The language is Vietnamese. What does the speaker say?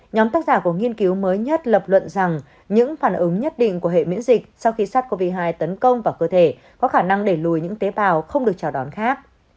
nhóm tác giả của nghiên cứu mới nhất lập luận rằng những phản ứng nhất định của hệ miễn dịch sau khi sars cov hai tấn công vào cơ thể có khả năng đẩy lùi những tế bào không được chào đón khác